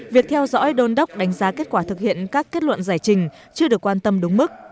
việc theo dõi đôn đốc đánh giá kết quả thực hiện các kết luận giải trình chưa được quan tâm đúng mức